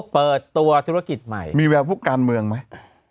เปิดตัวธุรกิจใหม่มีแววพวกการเมืองไหม